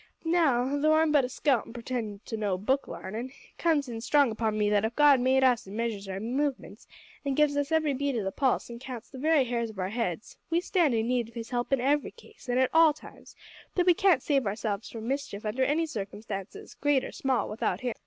Now, though I'm but a scout and pretend to no book larnin', it comes in strong upon me that if God made us an' measures our movements, an' gives us every beat o' the pulse, an' counts the very hairs of our heads, we stand in need of His help in every case and at all times; that we can't save ourselves from mischief under any circumstances, great or small, without Him."